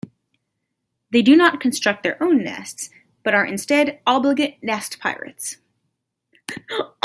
They do not construct their own nests, but are instead obligate nest pirates.